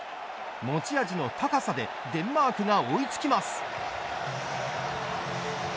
持ち味の高さでデンマークが追いつきます。